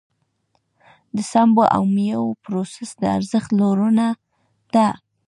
د سبو او مېوو پروسس د ارزښت لوړونه ده.